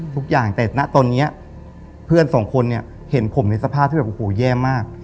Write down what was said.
ทุกอย่างแต่ณตอนนี้เพื่อนสองคนเนี่ยเห็นผมในสภาพที่แบบโอ้โหแย่มาก